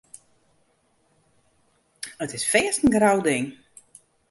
It is fêst in grou ding.